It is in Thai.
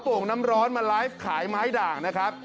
โป่งน้ำร้อนมาไลฟ์ขายไม้ด่างนะครับ